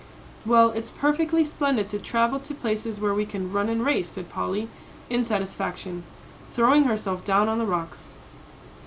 "Well, it's perfectly splendid to travel to places where we can run and race," said Polly, in satisfaction, throwing herself down on the rocks.